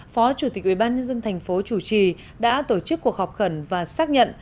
phó chủ tịch ubnd tp chủ trì đã tổ chức cuộc họp khẩn và xác nhận